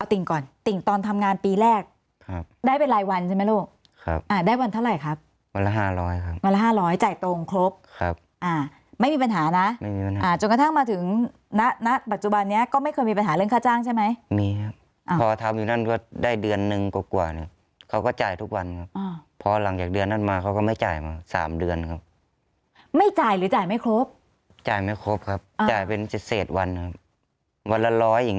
เอาติ่งก่อนติ่งตอนทำงานปีแรกได้ไปรายวันใช่ไหมลูกได้วันเท่าไหร่ครับวันละ๕๐๐วันละ๕๐๐วันละ๕๐๐วันละ๕๐๐วันละ๕๐๐วันละ๕๐๐วันละ๕๐๐วันละ๕๐๐วันละ๕๐๐วันละ๕๐๐วันละ๕๐๐วันละ๕๐๐วันละ๕๐๐วันละ๕๐๐วันละ๕๐๐วันละ๕๐๐วันละ๕๐๐วันละ๕๐๐วันละ๕๐๐วันละ๕๐๐วันละ๕๐๐วันละ๕๐๐วันละ๕๐๐วันละ๕๐๐